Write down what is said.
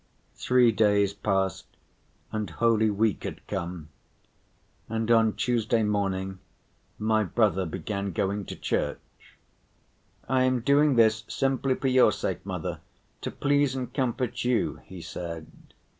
Three days passed and Holy Week had come. And on Tuesday morning my brother began going to church. "I am doing this simply for your sake, mother, to please and comfort you," he said.